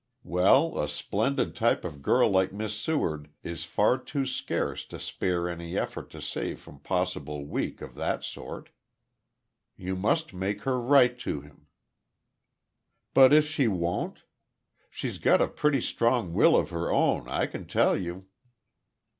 Well, a splendid type of girl like Miss Seward is far too scarce to spare any effort to save from possible week of that sort. You must make her write to him." "But if she won't? She's got a pretty strong will of her own, I can tell you."